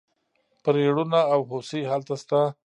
پریړونه او هوسۍ هلته شته.